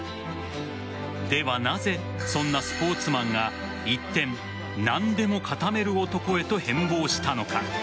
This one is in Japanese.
ではなぜそんなスポーツマンが一転何でも固める男へと変貌したのか。